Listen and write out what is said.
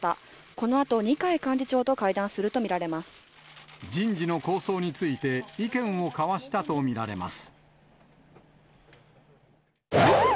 このあと、二階幹事長と会談する人事の構想について、意見を交わしたと見られます。